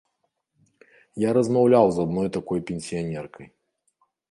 Я размаўляў з адной такой пенсіянеркай.